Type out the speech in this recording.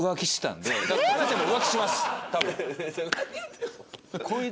多分。